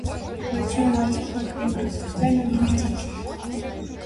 Գոյություն ունեցող հանքային ռեսուրսները ընդարձակ են։